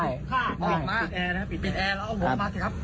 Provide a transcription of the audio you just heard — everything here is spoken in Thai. ปิดแอร์นะครับปิดแอร์แล้วเอาออกมาเถอะครับ